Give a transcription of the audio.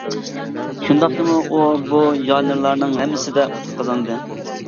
شۇنداقتىمۇ ئۇ بۇ ژانىرلارنىڭ ھەممىسىدە ئۇتۇق قازاندى.